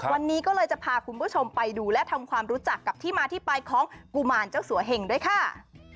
วันนี้ก็เลยจะพาคุณผู้ชมไปดูและทำความรู้จักกับที่มาที่ไปของกุมารเจ้าสัวเหงด้วยค่ะ